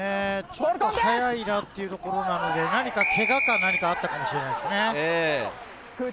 ちょっと早いなというところなので、けがか何かあったかもしれませんね。